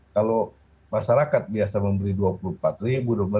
kalau masyarakat biasa memberi dua puluh empat ribu